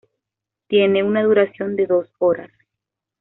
Tiene una duración de dos horas.